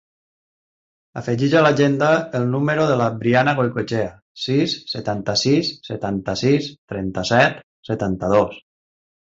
Afegeix a l'agenda el número de la Brianna Goicoechea: sis, setanta-sis, setanta-sis, trenta-set, setanta-dos.